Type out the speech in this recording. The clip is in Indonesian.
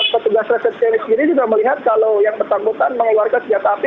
petugas resepsionis kiri juga melihat kalau yang bertanggung jawab mengeluarkan senjata api